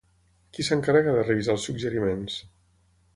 Qui s'encarrega de revisar el suggeriments?